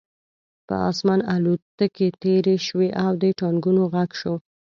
په آسمان الوتکې تېرې شوې او د ټانکونو غږ شو